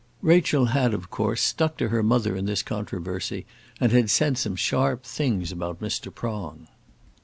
Rachel had, of course, stuck to her mother in this controversy, and had said some sharp things about Mr. Prong.